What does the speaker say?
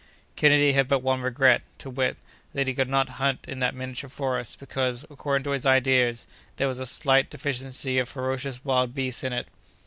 Kennedy had but one regret, to wit, that he could not hunt in that miniature forest, because, according to his ideas, there was a slight deficiency of ferocious wild beasts in it.